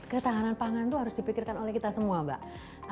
ketahanan pangan itu harus dipikirkan oleh kita semua mbak